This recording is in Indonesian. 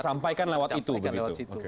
tersampaikan lewat itu begitu